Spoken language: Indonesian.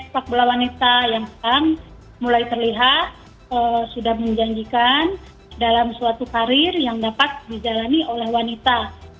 sepak bola wanita yang sekarang mulai terlihat sudah menjanjikan dalam suatu karir yang dapat dijalani oleh wanita